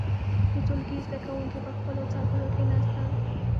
• د ټولګي زده کوونکي پر خپلو څوکيو کښېناستل.